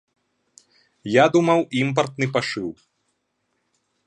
Я думаў, імпартны пашыў.